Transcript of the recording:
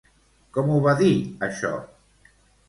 Com ho va dir, això?